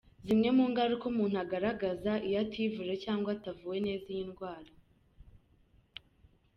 Zimwe mu ngaruka umuntu agaragaza iyo ativuje cyangwa atavuwe neza iyi ndwara.